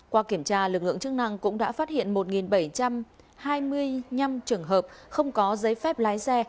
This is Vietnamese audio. qua kiểm tra lực lượng chức năng cũng đã phát hiện một bảy trăm hai mươi năm trường hợp không có giấy phép lái xe